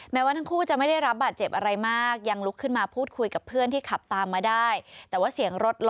ว่าทั้งคู่จะไม่ได้รับบาดเจ็บอะไรมากยังลุกขึ้นมาพูดคุยกับเพื่อนที่ขับตามมาได้แต่ว่าเสียงรถ